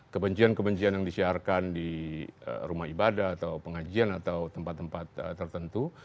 kebencian kebencian yang disiarkan di rumah ibadah atau pengajian atau tempat tempat tertentu